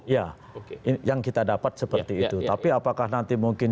ya yang kita dapat seperti itu tapi apakah nanti mungkin